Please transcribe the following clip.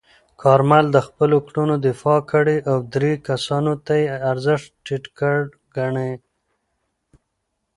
کارمل د خپلو کړنو دفاع کړې او درې کسانو ته یې ارزښت ټیټ ګڼلی.